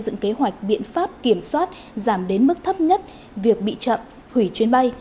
dựng kế hoạch biện pháp kiểm soát giảm đến mức thấp nhất việc bị chậm hủy chuyến bay